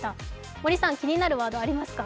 森さん気になるワードありますか？